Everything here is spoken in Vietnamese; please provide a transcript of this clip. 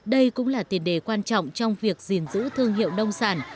đây cũng là tiền đề quan trọng trong việc gìn giữ thương hiệu nông sản